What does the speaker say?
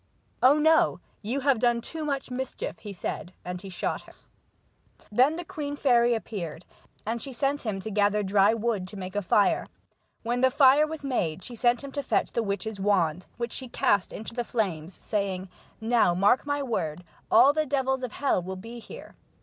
"Oh no, you have done too much mischief," he said, and he shot her. Then the queen fairy appeared, and sent him to gather dry wood to make a fire. When the fire was made she sent him to fetch the witch's wand, which she cast into the flames, saying : "Now, mark my word, all the devils of hell will be here."